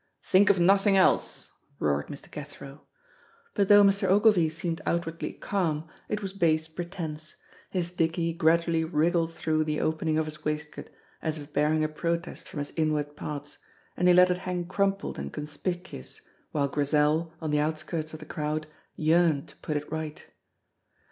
"Think of nothing else," roared Mr. Cathro. But though Mr. Ogilvy seemed outwardly calm it was base pretence; his dickie gradually wriggled through the opening of his waistcoat, as if bearing a protest from his inward parts, and he let it hang crumpled and conspicuous, while Grizel, on the outskirts of the crowd, yearned to put it right.